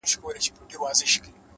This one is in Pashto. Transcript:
پوهه د وېرې زنځیرونه ماتوي.!